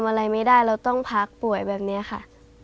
อะไรไม่ได้เราต้องพักป่วยแบบนี้ค่ะ